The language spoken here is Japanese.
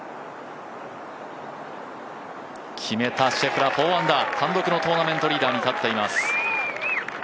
決めた、シェフラー、４アンダー、単独のトーナメントリーダーに立っています。